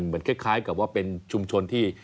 เหมือนกับคล้ายกับว่าเป็นชุมชนที่